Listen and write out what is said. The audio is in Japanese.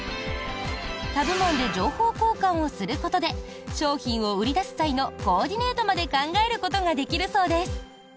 他部門で情報交換をすることで商品を売り出す際のコーディーネートまで考えることができるそうです。